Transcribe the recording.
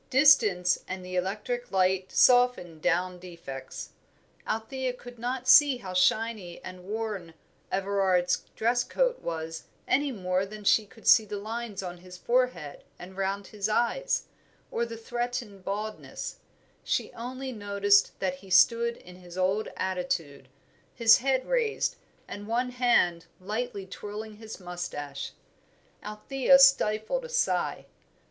Distance and the electric light softened down defects. Althea could not see how shiny and worn Everard's dress coat was any more than she could see the lines on his forehead and round his eyes, or the threatened baldness; she only noticed that he stood in his old attitude, his head raised, and one hand lightly twirling his moustache. Althea stifled a sigh.